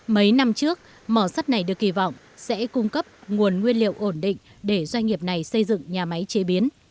mấy năm trước mỏ sắt này được kỳ vọng sẽ cung cấp nguồn nguyên liệu ổn định để doanh nghiệp này xây dựng nhà máy chế biến